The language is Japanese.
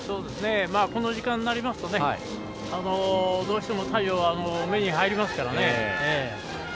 この時間になりますとどうしても太陽が目に入りますからね。